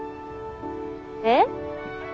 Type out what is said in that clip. えっ？